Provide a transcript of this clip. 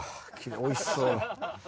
おいしそう。